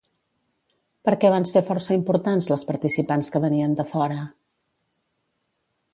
Per què van ser força importants les participants que venien de fora?